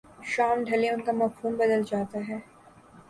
شام ڈھلے ان کا مفہوم بدل جاتا ہے۔